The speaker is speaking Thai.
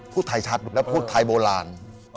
พูดไทยชัดและพูดไทยโบราณ